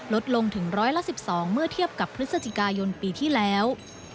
ลดลงถึงร้อยละ๑๒เมื่อเทียบกับพฤศจิกายนปีที่แล้ว